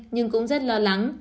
nhưng cũng rất lo lắng